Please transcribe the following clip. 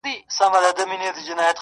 دا ستا د سترگو په كتاب كي گراني ,